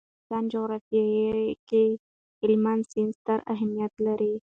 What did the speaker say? د افغانستان جغرافیه کې هلمند سیند ستر اهمیت لري.